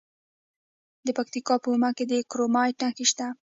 د پکتیکا په اومنه کې د کرومایټ نښې شته.